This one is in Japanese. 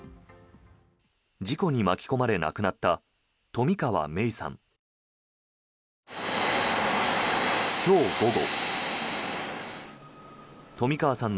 事故に巻き込まれ亡くなった冨川芽生さん。